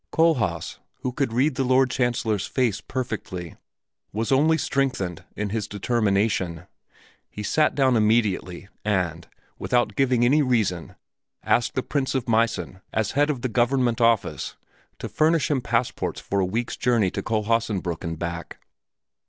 Kohlhaas, who could read the Lord Chancellor's face perfectly, was only strengthened in his determination. He sat down immediately and, without giving any reason, asked the Prince of Meissen, as head of the Government Office, to furnish him passports for a week's journey to Kohlhaasenbrück and back.